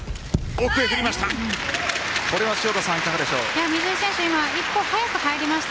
奥へ振りました。